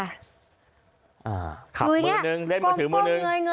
อ่าขับมือนึงเล่นมือถือมือหนึ่ง